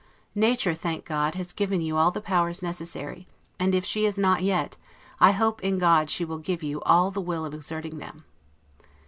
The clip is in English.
Nature, thank God, has given you all the powers necessary; and if she has not yet, I hope in God she will give you the will of exerting them.